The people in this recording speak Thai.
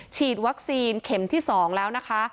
ฉีดวัคซีนเข็มที่๒แล้วนะคะ